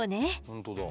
本当だ。